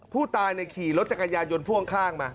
ผู้ตายขี่รถจักรยานยนต์พ่วงข้างมา